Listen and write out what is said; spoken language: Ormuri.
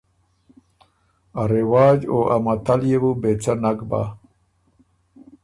ا رواج او ا متل يې بُو بې څۀ نک بۀ۔